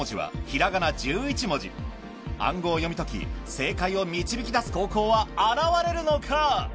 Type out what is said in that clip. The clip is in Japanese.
暗号を読み解き正解を導き出す高校は現れるのか？